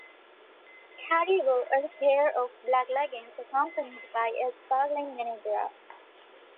Carey wore a pair of black leggings, accompanied by a sparkling mini-bra.